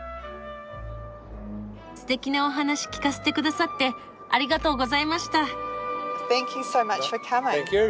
すてきなお話聞かせてくださってありがとうございました。